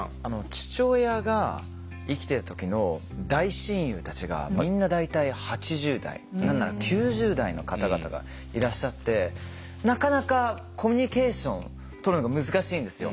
父親が生きてた時の大親友たちがみんな大体８０代何なら９０代の方々がいらっしゃってなかなかコミュニケーションとるのが難しいんですよ。